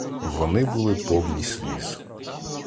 Вони були повні сліз.